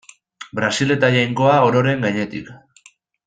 Brasil eta Jainkoa ororen gainetik.